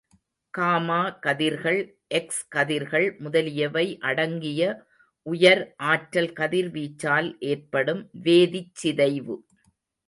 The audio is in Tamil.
காமா கதிர்கள், எக்ஸ் கதிர்கள் முதலியவை அடங்கிய உயர் ஆற்றல் கதிர்வீச்சால் ஏற்படும் வேதிச் சிதைவு.